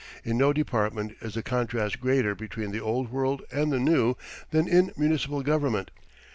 ] In no department is the contrast greater between the old world and the new than in municipal government.